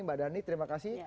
mbak dhani terima kasih